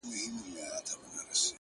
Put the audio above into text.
• هغه ورځ لکه کارګه په ځان پوهېږي,